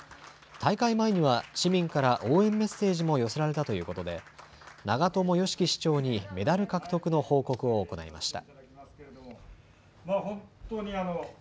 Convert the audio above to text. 大会前には市民から応援メッセージも寄せられたということで、長友貴樹市長にメダル獲得の報告を行いました。